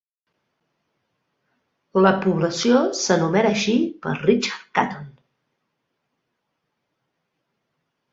La població s'anomena així per Richard Caton.